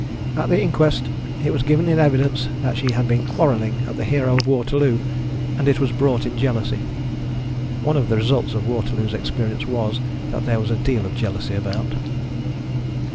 At the inquest it was giv' in evidence that she had been quarrelling at the Hero of Waterloo, and it was brought in jealousy. (One of the results of Waterloo's experience was, that thsre was a deal of jealousy about.)